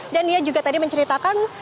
dan dia juga tadi menceritakan